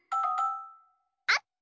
あった！